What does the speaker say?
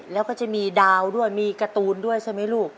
แล้วก็จะมีดาวด้วยมีการ์ตูนด้วยใช่ไหมลูก